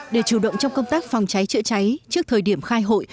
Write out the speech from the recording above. để chủ động trong công tác phòng cháy chữa cháy trước thời điểm khai hội